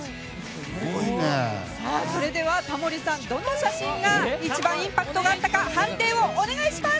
それでは、タモリさんどの写真が一番インパクトがあったか判定をお願いします。